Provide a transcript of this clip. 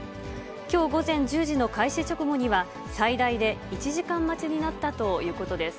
きょう午前１０時の開始直後には、最大で１時間待ちになったということです。